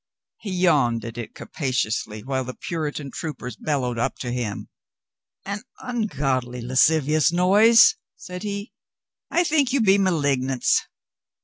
He yawned at it capaciously while the Puritan troopers bellowed up to him. "An ungodly lascivious noise," said he. "I think you be malignants."